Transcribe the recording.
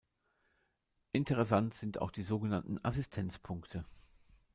Interessant sind auch die so genannten Assistenz-Punkte.